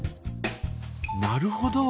なるほど。